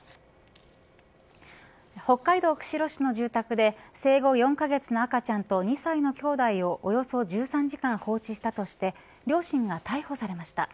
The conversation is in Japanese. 北海道釧路市の住宅で生後４カ月の赤ちゃんと２歳の兄弟をおよそ１３時間放置したとして両親が逮捕されました。